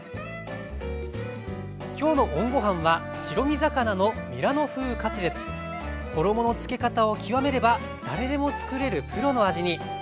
今日の衣のつけ方を極めれば誰でもつくれるプロの味に。